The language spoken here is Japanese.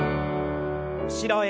後ろへ。